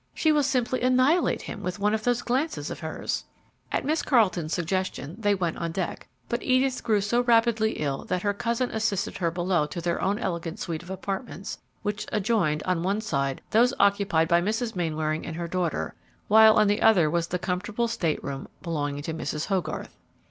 She will simply annihilate him with one of those glances of hers!" At Miss Carleton's suggestion, they went on deck; but Edith grew so rapidly ill that her cousin assisted her below to their own elegant suite of apartments, which adjoined, on one side, those occupied by Mrs. Mainwaring and her daughter, while on the other was comfortable state room belonging to Mrs. Hogarth.